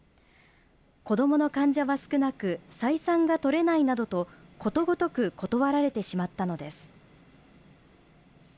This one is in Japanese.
子どもの患者は少なく、採算がとれないなどとことごとく断られてしまったのです。